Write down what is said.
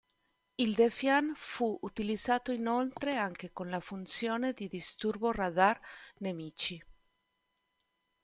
Il Defiant fu utilizzato inoltre anche con la funzione di disturbo radar nemici.